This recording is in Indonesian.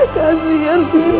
kasih yang kena